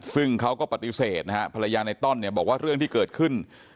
ซึ่งเขาก็ปฏิเสธนะฮะภรรยาในต้อนเนี่ยบอกว่าเรื่องที่เกิดขึ้น